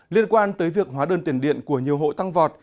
liên quan tới việc hóa đơn tiền điện của nhiều hộ tăng vọt